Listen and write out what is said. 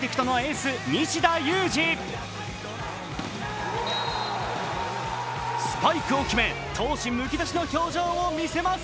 スパイクを決め、闘志むき出しの表情を見せます。